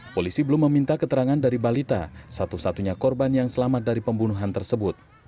polisi belum meminta keterangan dari balita satu satunya korban yang selamat dari pembunuhan tersebut